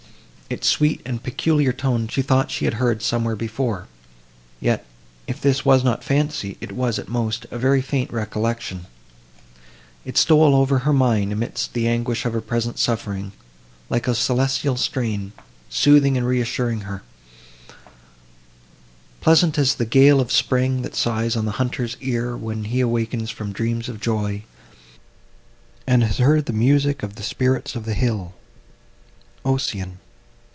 Its sweet and peculiar tones she thought she had somewhere heard before; yet, if this was not fancy, it was, at most, a very faint recollection. It stole over her mind, amidst the anguish of her present suffering, like a celestial strain, soothing, and reassuring her;—"Pleasant as the gale of spring, that sighs on the hunter's ear, when he awakens from dreams of joy, and has heard the music of the spirits of the hill."* (*Note: Ossian.